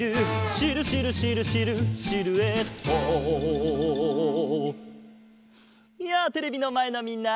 「シルシルシルシルシルエット」やあテレビのまえのみんな！